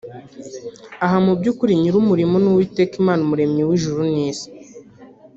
aha mu byukuri nyiri umurimo ni Uwiteka Imana umuremyi w’ijuru n’isi